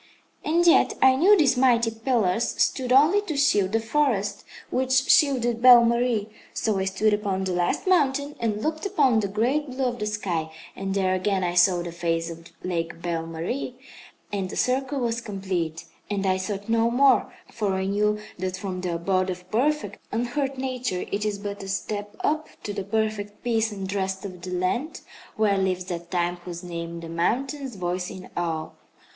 "And yet I knew these mighty pillars stood only to shield the forest which shielded Belle Marie. So I stood upon the last mountain and looked upon the great blue of the sky, and there again I saw the face of Lake Belle Marie; and the circle was complete, and I sought no more, for I knew that from the abode of perfect, unhurt nature it is but a step up to the perfect peace and rest of the land where lives that Time whose name the mountains voice in awe.